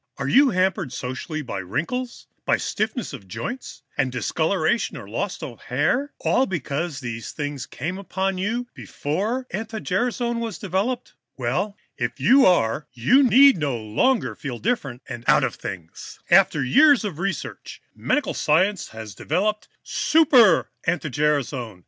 Are you hampered socially by wrinkles, by stiffness of joints and discoloration or loss of hair, all because these things came upon you before anti gerasone was developed? Well, if you are, you need no longer suffer, need no longer feel different and out of things. "After years of research, medical science has now developed Super anti gerasone!